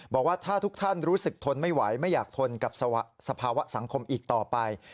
บอกว่าถ้าทุกท่านรู้สึกทนไม่ไหวไม่อยากทนกับสภาวะสังคมอีกต่อไป